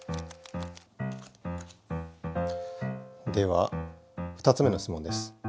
では２つ目の質問です。